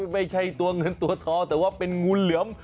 ไม่ใช่ตัวเงินตัวทองแต่ว่าเป็นงูเหลือม